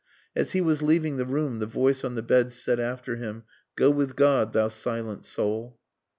As he was leaving the room the voice on the bed said after him "Go with God, thou silent soul."